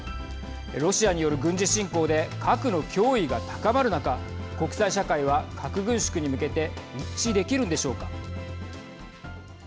ロシアによる軍事侵攻で核の脅威が高まる中国際社会は核軍縮に向けて一致できるんでしょうか。